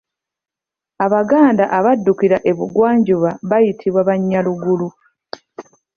Abaganda abaddukira e bugwanjuba baayitibwa Banyaruguru.